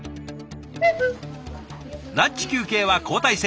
ランチ休憩は交代制。